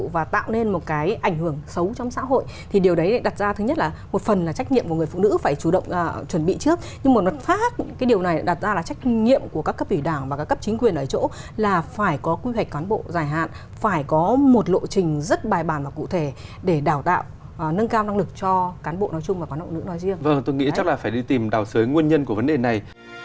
vâng tôi nghĩ chắc là phải đi tìm đào sới nguyên nhân của vấn đề này